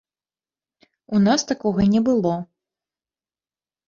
У нас такога не было.